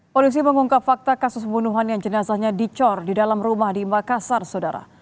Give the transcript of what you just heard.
polisi mengungkap fakta kasus pembunuhan yang jenazahnya dicor di dalam rumah di makassar saudara